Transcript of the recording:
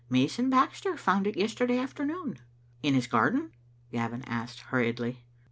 " Mason Baxter found it yesterday afternoon." " In his garden?" Gavin asked hurriedly.